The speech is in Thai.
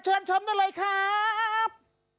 เชิญชมได้เลยครับ